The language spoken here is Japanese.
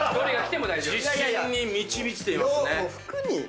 自信に満ち満ちていますね。